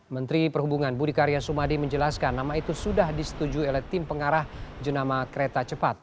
menteri perhubungan budi karya sumadi menjelaskan nama itu sudah disetujui oleh tim pengarah jenama kereta cepat